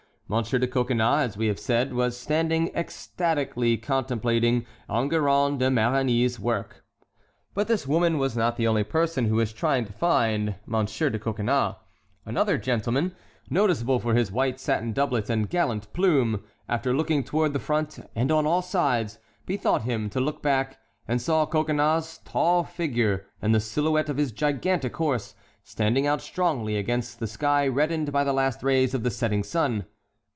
Monsieur de Coconnas, as we have said, was standing ecstatically contemplating Enguerrand de Marigny's work. But this woman was not the only person who was trying to find Monsieur de Coconnas. Another gentleman, noticeable for his white satin doublet and gallant plume, after looking toward the front and on all sides, bethought him to look back, and saw Coconnas's tall figure and the silhouette of his gigantic horse standing out strongly against the sky reddened by the last rays of the setting sun.